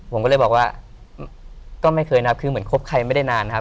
ผมก็เลยบอกว่าก็ไม่เคยนับคือเหมือนคบใครไม่ได้นานครับ